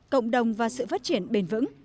cộng đồng và sự phát triển bền vững